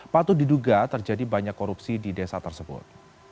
patut diduga terjadi banyak korupsi di desa tersebut